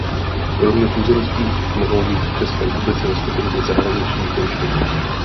Kromě tuzemských mohou mít v České republice zastoupení i zahraniční pojišťovny.